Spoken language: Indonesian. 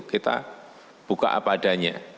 kita buka apa adanya